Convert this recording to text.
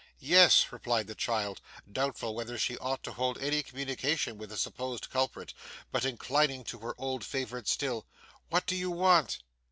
'Yes,' replied the child, doubtful whether she ought to hold any communication with the supposed culprit, but inclining to her old favourite still; 'what do you want?